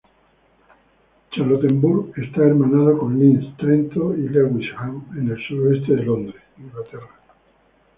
Charlottenburg está hermanado con Linz, Trento y Lewisham en el sureste de Londres, Inglaterra.